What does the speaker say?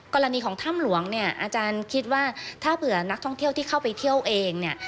กรณีของถ้ำหลวงเนี่ยอาจารย์คิดว่าถ้าเผื่อนักท่องเที่ยวที่เข้าไปเที่ยวเองเนี่ย